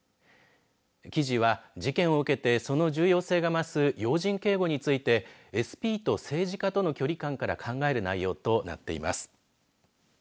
記事は、事件を受けてその重要性が増す要人警護についてＳＰと政治家との距離感から考える内容となっています。